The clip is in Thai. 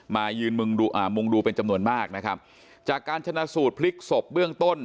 มายืนอ่ามุงดูเป็นจำนวนมากนะครับจากการชนะสูตรพลิกศพเบื้องต้น